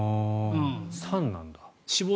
酸なんだ。